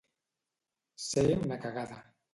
Ser una cagada.